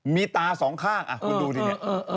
มีตาสองข้างคุณดูดิเนี่ย